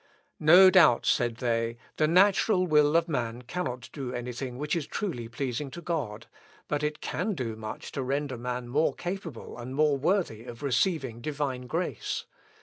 "No doubt," said they, "the natural will of man cannot do any thing which is truly pleasing to God; but it can do much to render man more capable and more worthy of receiving divine grace."